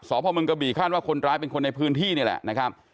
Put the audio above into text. ศพมนตร์กะบี่ขั้นว่าคนร้ายเป็นคนในพื้นที่นี่แหละนะครับ